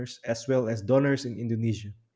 dan juga para pengorban di indonesia